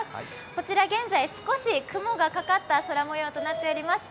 こちら現在少し雲がかかった空模様となっております。